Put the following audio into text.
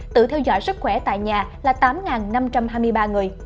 tự theo dõi sức khỏe tại nhà là tám năm trăm hai mươi ba người